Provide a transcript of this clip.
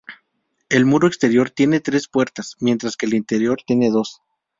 El muro exterior tiene tres puertas, mientras que el interior tiene dos.